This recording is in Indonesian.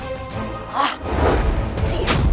aku akan menang